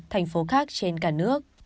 thành phố khác trên cả nước